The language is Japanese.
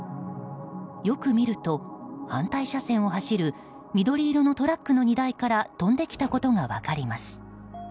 よく見ると、反対車線を走る緑色のトラックの荷台から飛んできたことが分かります。